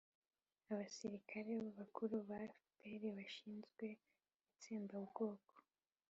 abasirikari bakuru ba fpr bashinjwa itsembabwoko